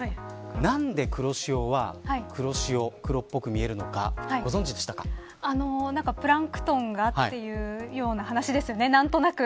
なんで黒潮は黒っぽく見えるのかプランクトンがっていうような話ですよね、何となく。